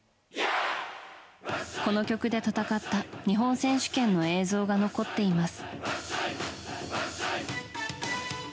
この曲で戦った日本選手権の映像が残っています。